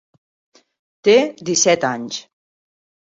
Té disset anys.